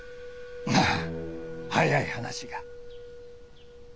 まあ早い話が。